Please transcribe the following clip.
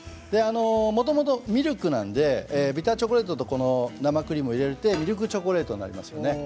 もともとミルクなのでビターチョコレートに生クリームを入れるとミルクチョコレートになりますね。